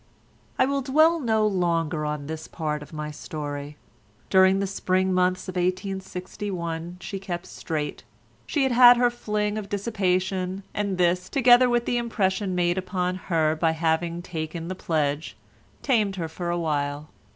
I will dwell no longer on this part of my story. During the spring months of 1861 she kept straight—she had had her fling of dissipation, and this, together with the impression made upon her by her having taken the pledge, tamed her for a while.